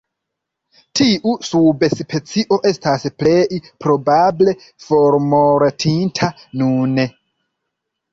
Tiu subspecio estas plej probable formortinta nune.